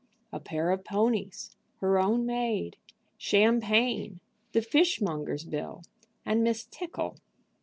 A pair of ponies, her own maid, champagne, the fish monger's bill, and Miss Tickle.